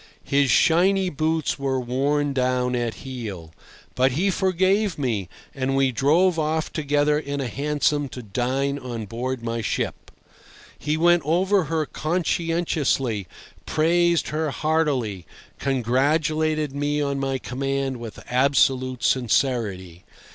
His shiny boots were worn down at heel. But he forgave me, and we drove off together in a hansom to dine on board my ship. He went over her conscientiously, praised her heartily, congratulated me on my command with absolute sincerity.